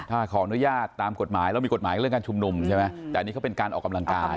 ถ้าขออนุญาตตามกฎหมายแล้วมีกฎหมายเรื่องการชุมนุมใช่ไหมแต่อันนี้เขาเป็นการออกกำลังกาย